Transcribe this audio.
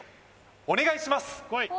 お願いします